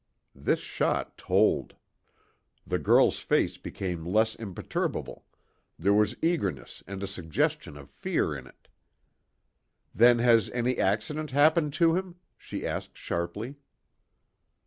This shot told. The girl's face became less imperturbable; there was eagerness and a suggestion of fear in it. "Then has any accident happened to him?" she asked sharply.